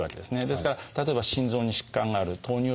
ですから例えば心臓に疾患がある糖尿病がある。